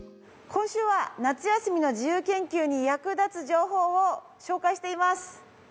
今週は夏休みの自由研究に役立つ情報を紹介しています。